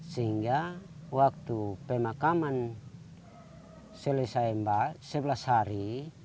sehingga waktu pemakaman selesai mbak sebelas hari